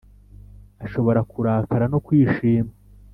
ashobora kurakara no kwishima.